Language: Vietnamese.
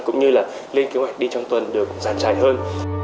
cũng như là lên kế hoạch đi trong tuần được giàn trải hơn